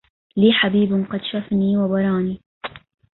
لي حبيب قد شفني وبراني